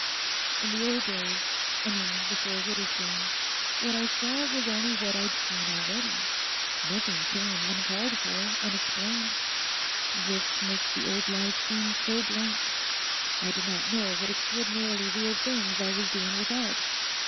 In the old days—I mean before Widderstone, what I saw was only what I'd seen already. Nothing came uncalled for, unexplained. This makes the old life seem so blank; I did not know what extraordinarily real things I was doing without.